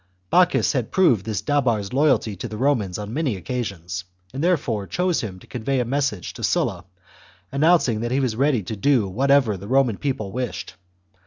Bocchus had proved this Dabar's loyalty to the Romans on many occasions, and there fore chose him to convey a message to Sulla announc ing that he was ready to do whatever the Roman people wished.